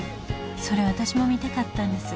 それ私も見たかったんです」